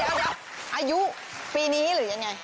เดี๋ยวอายุปีนี้หรือยังไง